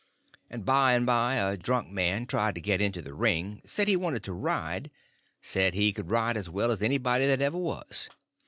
And by and by a drunk man tried to get into the ring—said he wanted to ride; said he could ride as well as anybody that ever was.